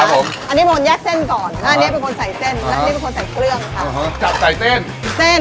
อันนี้โมนแยกเส้นก่อนอันนี้เป็นคนใส่เส้น